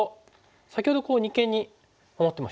先ほど二間に守ってましたよね。